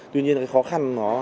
tuy nhiên khó khăn nó